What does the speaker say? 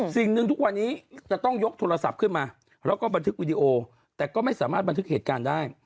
สิ่งหนึ่งทุกวันนี้จะต้องยกโทรศัพท์ขึ้นมาแล้วก็บันทึกวิดีโอแต่ก็ไม่สามารถบันทึกเหตุการณ์ได้